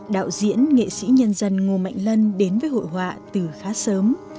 đạo diễn nghệ sĩ nhân dân ngô mạnh lân đến với hội họa từ khá sớm